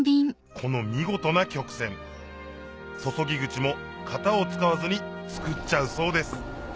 この見事な曲線注ぎ口も型を使わずに作っちゃうそうです